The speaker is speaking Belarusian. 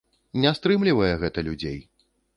Не стрымлівае гэта людзей!